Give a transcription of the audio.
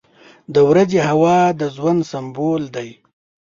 • د ورځې هوا د ژوند سمبول دی.